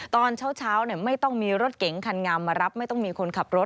ตอนเช้าไม่ต้องมีรถเก๋งคันงามมารับไม่ต้องมีคนขับรถ